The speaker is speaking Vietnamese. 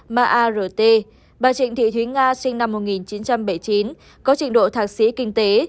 ma art bà trịnh thị thúy nga sinh năm một nghìn chín trăm bảy mươi chín có trình độ thạc sĩ kinh tế